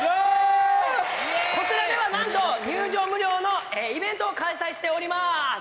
こちらではなんと、入場無料のイベントを開催しております。